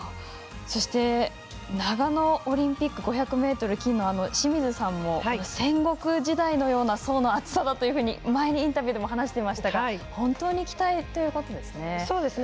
そして、長野オリンピック５００ｍ金の清水さんも戦国時代のような層の厚さだと前にインタビューでも話していましたが本当に期待ということですね。